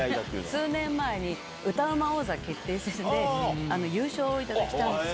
数年前に、歌うま王座決定戦で優勝を頂いたんです。